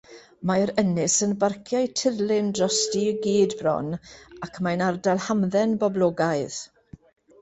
Mae'r ynys yn barciau tirlun drosti i gyd bron, ac mae'n ardal hamdden boblogaidd.